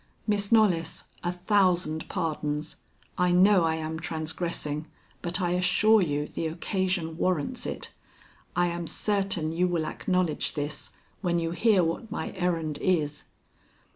"Miss Knollys, a thousand pardons. I know I am transgressing, but, I assure you, the occasion warrants it. I am certain you will acknowledge this when you hear what my errand is."